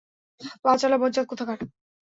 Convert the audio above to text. পা চালা, বজ্জাত কোথাকার!